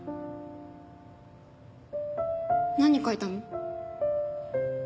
何書いたの？